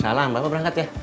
salam bapak berangkat ya